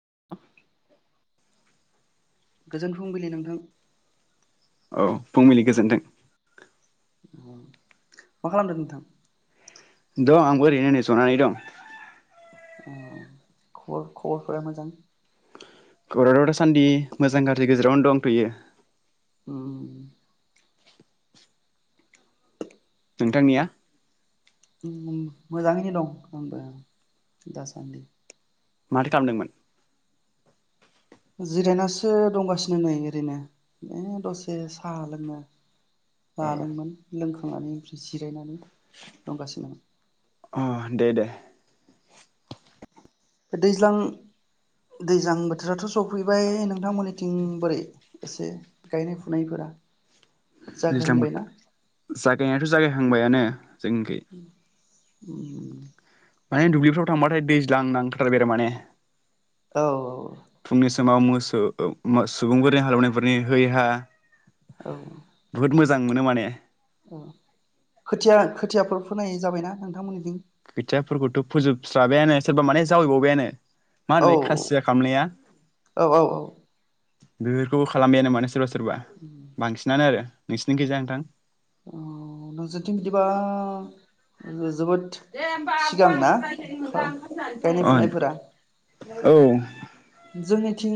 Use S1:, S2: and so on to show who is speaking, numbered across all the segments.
S1: [unintelligible]
S2: गोजोन फुंबिलि नोंथां
S1: औ फुंबिलि गोजोन्थों
S2: मा खालामदों नोंथां?
S1: दं आंबो ओरैनो जनानै दं
S2: अ खबर खबरफोरा मोजां।
S1: खबराथ' दासान्दि मोजां गाज्रि गेजेरावनो दंथ'यो।
S2: उम
S1: नोंथांनिया?
S2: मोजाङैनो दं आंबो दासान्दि।
S1: माथो खालामदोंमोन?
S2: जिरायनासो दंगासिनो नै ओरैनो ए दसे साहा लोंनो
S1: अ
S2: लादोंमोन लोंखां [unintelligible] बि जिरायनानै दंगासिनो
S1: अ दे दे।
S2: दैज्लां दैज्लां बोथोराथ' सफैबाय नों थांमोनिथिं बोरै? एसे गायनाय फुनायफोरा?
S1: दैज्लां बोथ
S2: जागाहांबायना
S1: जागायनायाथ' जागायहांबायानो जोंनिखै।
S2: उम उम
S1: माने दुब्लिफ्राव थांबाथाय दैज्लां नांथारबाय आरो माने
S2: औ औ
S1: फुंनि समाव मोसो ओ मा सुबुंफोरनि हालेवनायफोरनि है हा
S2: औ
S1: बुहुद मोजां मोनो माने।
S2: औ खोथिया खोथियाफोर फोनाय जाबायना नोंथां मोनिथिं?
S1: खोथियाफोरखौथ' फोजोबस्राबायानो सोरबा माने जावैबावबायानो। मा
S2: औ
S1: होनो बे खासिया खालामनाया
S2: औ औ औ
S1: बेफोरखौबो खालामबायानो माने सोरबा सोरबा बांसिनानो आरो। नोंसिनि खैजा नोंथां?
S2: अ नोंसोरनिथिं बिदिबा [unintelligible]
S1: दे होमबा आब'
S2: सिगां
S1: आं
S2: ना
S1: रायलायनो मोनला ओंखाम
S2: गायनाय फुनायफोरा
S1: जानसै अ औ
S2: थिं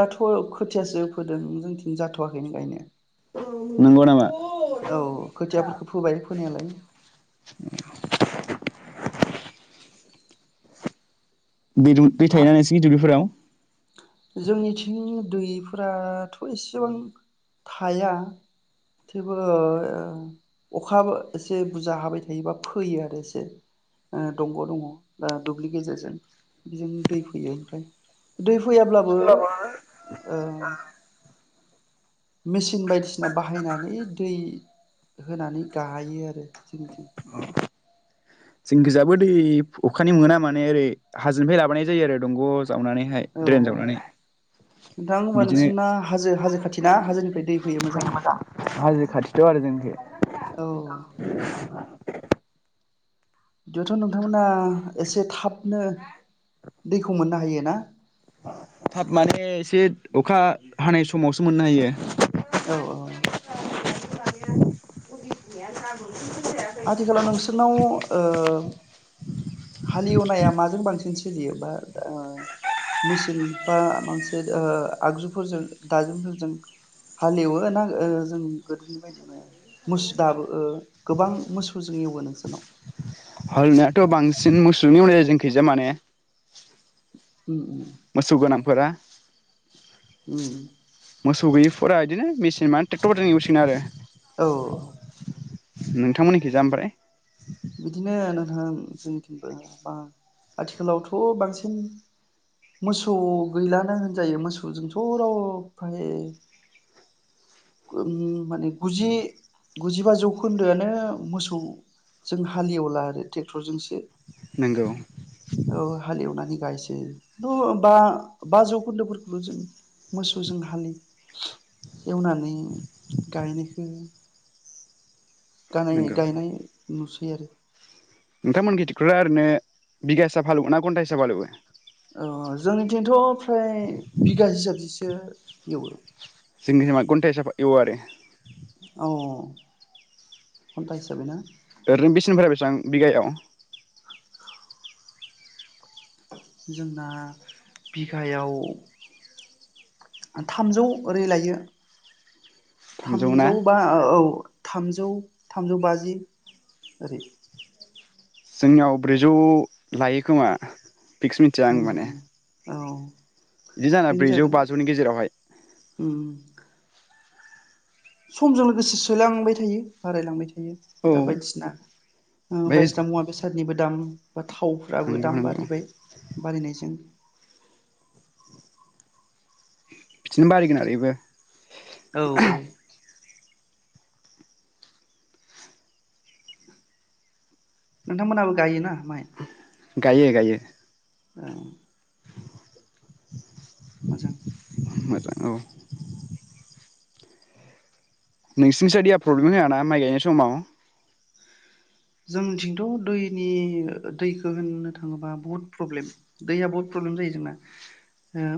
S2: दाथ' खोथियासो फोदों। जोंथिं जाथ'वाखैनो गायनाया।
S1: नंगौ नामा
S2: औ खोथियाफोरखौ फोबाय फोनायालाय।
S1: दै दु दै
S2: हा
S1: थायोना नोंसिनखै दुब्लिफोराव?
S2: जोंनिथिं दैफोराथ' एसेबां थाया थेबो अखा एसे बुरजा हाबाय थायोबा फैयो आरो एसे ओ दंग' दङ ओ दुब्लि गेजेरजों बेजों दै फोयो ओमफ्राय दै फैयाब्लाबो ओ मेचिन बायदिसिना बाहायनानै दै होनानै गाहायो आरो जोंनिथिं।
S1: जोंनिखैजाबो दै अखानि मोना माने ओरै हाजोनिफ्राय लाबोनाय जायो आरो दंग' जावनानैहाय
S2: औ
S1: द्रेन जावनानै
S2: नोंथां होमबा
S1: बिदिनो
S2: नोंसोरना हाजो हाजो खाथि ना हाजोनिफ्राय दै फैयो मोजां
S1: हाजो खाथिथ' आरो जोंखै
S2: औ बिदिबाथ' नोंथांमोना एसे थाबनो दैखौ मोननो हायो ना?
S1: थाब माने एसे अखा हानाय समावसो मोननो हायो।
S2: औ औ
S1: [unintelligible]
S2: आथिखालाव नोंसोरनाव ओ औ हालेवनाया माजों बांसिन सोलियो बा ओ मेसिन बा मोनसे ओ आगजुफोरजों दाजेमफोरजों हालेवो ना ओ जों गोदोनि बदिनो मोस दाबो गोबां मोसौजों एवो नोंसोरनाव?
S1: हालेनायाथ' बांसिन मोसौजोंनो एवनाय जायो जोंखैजाय माने
S2: उम उम
S1: मोसौ गोनांफोरा
S2: उम
S1: फोरा बिदिनो मेसिन मा ट्रेक्टरफोरजों इउसिगोन आरो
S2: औ
S1: नोंथांमोननिखोजा ओमफ्राय
S2: बिदिनो नोथां जोंनिथिंबो बा आथिखालावथ' बांसिन मोसौ गैलानो होनजायो मोसौजोंथ' राव फ्राय ओम माने गुजि गुजिबा जौखोन्दोआनो मोसौ जों हालेवला आरो ट्रेक्टरजोंसो
S1: नंगौ
S2: औ हालिवनानै गायसै र बा बा जौखोन्दोफोरखौल' जों मोसौजों हालि एवनानै गायनायखौ गानाय
S1: नंगौ
S2: गायनाय नुसै आरो
S1: नोंथांमोननिखै टेकटरा ओरैनो बिघा हिसाब हालेवो ना घन्टा हिसाब हालेवो
S2: औ जोंनिथिंथ' फ्राय बिगा हिसाब जिसो एवो
S1: जों निथिंबा घनटा हिसाबै हालेवोआरो
S2: औ घन्टा हिसाबै ना?
S1: ओरैनो बेसेनिफ्राय बेसेबां बिगायाव
S2: जोंना बिघायाव थामजौ ओरै लायो थामजौ बा औ थामजौ थामजौ बाजि ओरै
S1: जोंनियाव ब्रैजौ लायो खोमा फिक्स मिथि आं माने
S2: औ
S1: बिदि जाना
S2: बेनो
S1: ब्रैजौ
S2: जागोन
S1: बाजौनि गेजेरावहाय
S2: उम समजों लोगोसे सोलायलांबाय थायो बारायलांबाय थायो थायो
S1: औ
S2: दा
S1: ओमफ्राय
S2: बायदिसिना उम बायदिसिना मुवा बेसादनिबो दाम बा थावफ्राबो
S1: नंगौ
S2: दाम
S1: नंगौ
S2: बारिबाय बारिनायजों
S1: बिदिनो बारायगोन आरो इबो
S2: औ नोंथांमोनहाबो गायोना? माय
S1: गायो गायो
S2: ओं मोजां।
S1: मोजां औ नोंसिजाय दैया प्रब्लेम होआ ना माइ गायनाय समाव?
S2: जोंनिथिंथ' दैनि दैखौ होननो थाङोबा बुहुद प्रब्लेम दैया बहुद प्रब्लेम जायो जोंना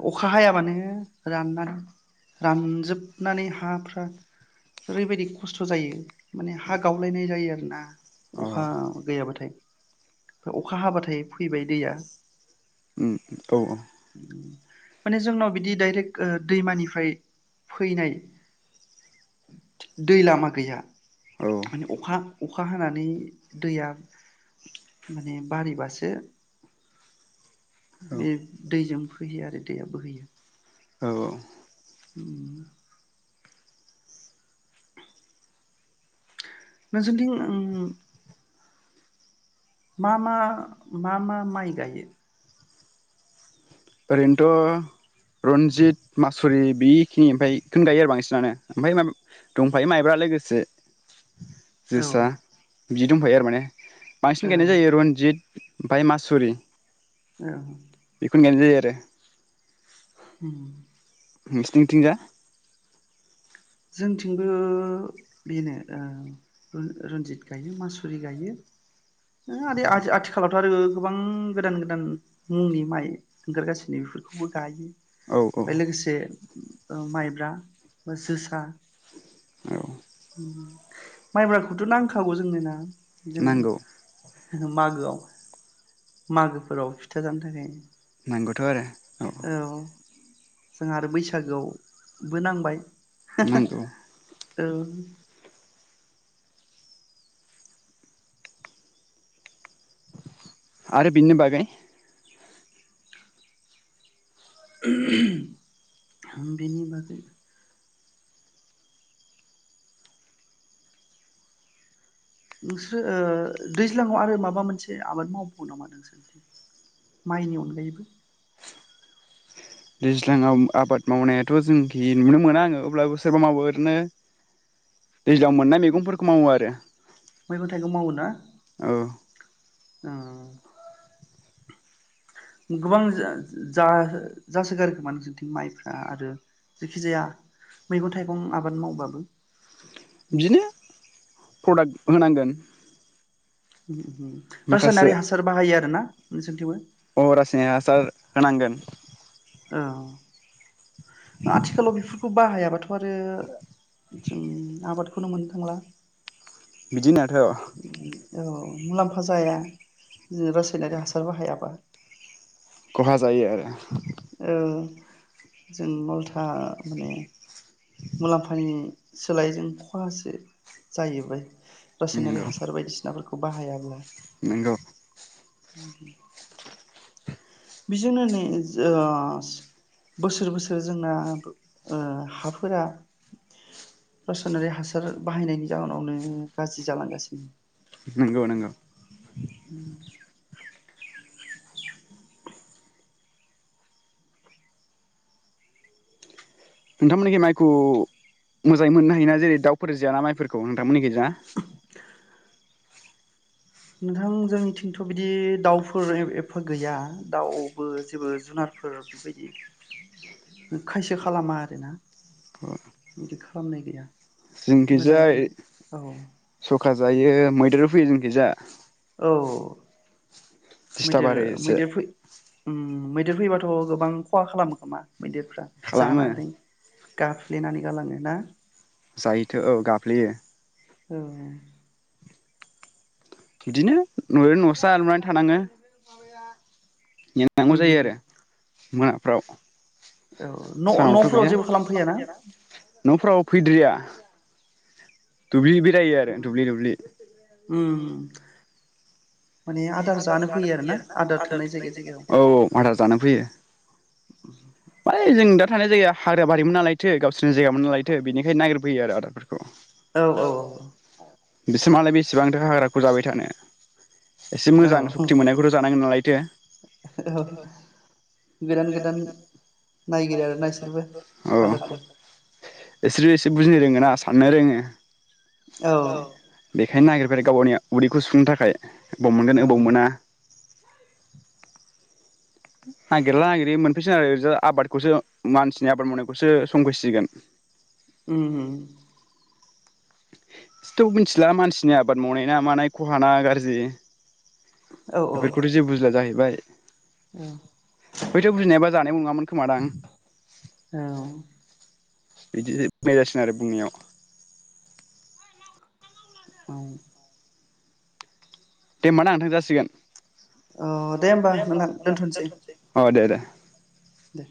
S2: ओ अखा हायाबानो राननानै रानजोबनानै हाफ्रा ओरैबायदि खस्थ' जायो माने हा गावलायनाय जायो आरोना।
S1: अ
S2: अखा गैयाबाथाय फाय अखा हाब्लाथाय फैबाय दैया।
S1: उम औ औ
S2: माने जोंनाव बिदि डाइरेक ओ दैमानिफ्राय फैनाय दै लामा गैया
S1: औ
S2: माने अखा अखा हानानै दैया माने बारिबासो
S1: औ
S2: बे दैजों फैयो आरो दैया बोहैयो।
S1: औ
S2: [inaudible] नोंसिनिथिं ओं मा मा मा मा माइ गायो?
S1: ओरैनोथ' रन्जित मासुरि बेखिनि ओमफाय खौनो गायो आरो बांसिनानो ओमफाय मा दंफायो माइब्रा लोगोसे।
S2: औ
S1: जोसा बि दंफायो आरो माने। बांसिन
S2: औ
S1: गायनाय जायो रनजित ओमफाय मासुरि
S2: औ
S1: [unintelligible] दे
S2: हम
S1: नोंस्निथिंजा?
S2: जोंथिंबो बिनो ओ र रन्जित गायो मासुरि गायो ओ [unintelligible] आथिखालावथ' आरो गोबां गोदान गोदान मुंनि माइ ओंगोरगासिनो बेफोरखौबो गायो।
S1: औ औ
S2: बाय लोगोसे ओ माइब्रा बा जोस सा
S1: औ
S2: उम माइब्राखौथ' नांखागौ जोंनो ना जों
S1: नांगौ
S2: मागोआव मागोफोराव फिथा जानो थाखाय।
S1: नंगौथ' आरो।
S2: औ जोंहा आरो बैसागोआवबो नांबाय।
S1: नांगौ
S2: [unintelligible] औ
S1: आरो बिननो बागै
S2: [unintelligible] हम बिनि बागै नोंस्रो ओ दैज्लाङाव आरो माबा मोनसे आबाद मावबावो नामा नोंसोर माइनि अनगायैबो?
S1: दैज्लांआव आबाद मावनायाथ' जोंखि नुनो मोना आङो अब्लाबो सोरबा मावो ओरैनो दैज्लां मोननाय मैगंफोरखौ मावो आरो।
S2: मैगं थाइगं मावो ना?
S1: औ
S2: औ गोबां जा जा जासो जासोगारो खोमा नोंसोरनिथिं माइफ्रा आरो जेखि जाया मैगं थाइगं आबाद मावबाबो।
S1: बिदिनो प्रडाक्ट होनांगोन।
S2: [inaudible]
S1: माखासे
S2: रासायनारि हासार बाहायो आरो ना नोंसोरथिबो?
S1: अ रासायनिक हासार होनांगोन
S2: औ आथिखालाव बे खौ बाहायाबाथ' आरो जों आबादखौनो मोननो थांला।
S1: बिदिनो दाथ'
S2: औ मुलामफा जाया। जों रासायनारि हासार बाहायाबा
S1: खहा जायो आरो।
S2: औ जों उलथा माने मुलामफानि सोलायैजों खहासो जाहैबाय। रासायनारि
S1: नंगौ
S2: हासार बायदिसिनाफोरखौ खौ बाहायाब्ला
S1: नंगौ
S2: बेजोंनो नै बोसोर बोसोर जोंना हा फोरा रासायनारि हासार बाहायनायनि जाहोनावनो गाज्रि जालांगासिनो।
S1: नंगौ नंगौ
S2: [inaudible]
S1: नोंथांमोननिखि माइखौ मोजाङै मोननो हायोना जेरै दाउफोर जायाना माइफोरखौ नोंथांमोननिखि जा?
S2: नोंथां जोंनिथिंथ' बिदि दाउफोर एफा गैया दाउबो जेबो जुनारफोर बेबायदि खायसो खालामा आरोना बिदि खालामनाय गैया। मोजाङैनो
S1: जिंखिजाय
S2: औ
S1: सखा जायो मैदेर फैयो जोंखिजा
S2: औ
S1: दिस्टार्ब
S2: मैदेर
S1: आरो एसे
S2: मैदेर फै ओम मैदेर फैबाथ' गोबां खहा खालामो खोमा? मैदेरफ्रा
S1: खालामो
S2: जानानै गाफ्लेनानै गालाङो ना?
S1: जायोथो औ गाफ्लेयो
S2: औ
S1: बिदिनो नजों न'सा लुनानै थानाङो। नेनांगौ जायो
S2: उम
S1: आरो मोना फ्राव
S2: औ न' न'फोराव जेबो खालामफैयाना?
S1: न'फ्राव फैद्रिया तु बिबि जायो आरो दुब्लि दुब्लि ओम
S2: उम
S1: माने आदार जानो फैयो आरो ना आदार थानाय जायगा जायगायाव औ औ आदार जानो फैयो माने जों दा थानाय जायगाया हाग्रा बारि मोन नालायथो गावसोरनि जायगामोन नालायथो बेनिखायनो नागिरफैयो आरो आदारफोरखौ
S2: औ औ औ
S1: बेमालाय बेसेबांथो हाग्राखौ जाबाय थानो एसे
S2: औ
S1: मोजां सक्ति मोननायखौथ' जानांगोन नालाय दे
S2: औ गोदान गोदान नायगिरो आरो ना इसोरबो आदारखौ
S1: इसोर एसे बुजिनो रोङोना साननो रोङो औ बेखायनो नागिर बेफोर गावनि उदैखौ सुुंनो थाखाय बबाव मोनगोन
S2: औ
S1: अबाव मोना नागिरला नागिरलि मोनफैसिगोन आरो ओरै आबादखौसो मानसिनि आबाद मावनायखौसो संफैसिगोन
S2: ओम
S1: इदिथ' मिथिला मानसिनि आबाद मावनाय ना मानाय खहा ना गाज्रि
S2: औ
S1: बेफोरखौथ' जेबो बुजिला जाहै बाय
S2: औ
S1: बैथ' बुजिनायबा जानाय नङामोन खोमा दां
S2: औ
S1: बिदिसो बुंनाय जासिगोन आरो बुंनायाव
S2: औ
S1: दे होमबाना नोंथां जासिगोन
S2: अ दे होमबा नोंथां दोनथ'सै
S1: अ दे दे
S2: दे